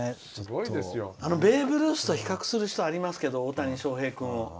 ベーブ・ルースと比較する人いますけど大谷翔平君を。